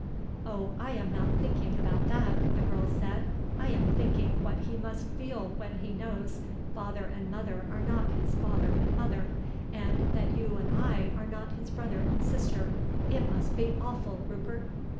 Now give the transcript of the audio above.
"Oh, I am not thinking about that!" the girl said. "I am thinking what he must feel when he knows father and mother are not his father and mother, and that you and I are not his brother and sister. It must be awful, Rupert."